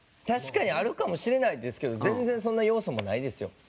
確かにあるかもしれないですけど全然そんな要素もないですよ。